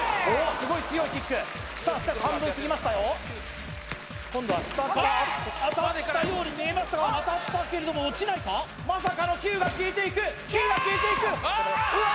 すごい強いキックさあしかし半分過ぎましたよ今度は下からあっと当たったけれども落ちないかまさかの９が消えていく９が消えていくうわ！